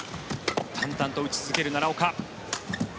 淡々と打ち続ける奈良岡。